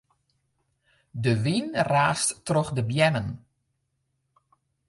De wyn raast troch de beammen.